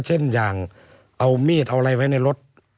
เช่นอย่างเอามีดเอาอะไรไว้ในรถ